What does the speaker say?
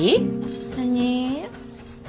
何？